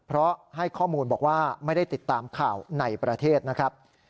เพราะให้ข้อมูลบอกว่าไม่ได้ติดตามข่าวในประเทศนะครับ